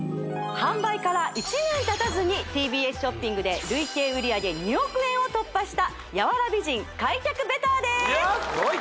販売から１年たたずにＴＢＳショッピングで累計売上２億円を突破した柔ら美人開脚ベターですイエイ！